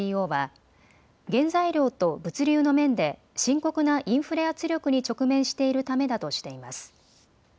ＣＥＯは原材料と物流の面で深刻なインフレ圧力に直面しているためだとしています。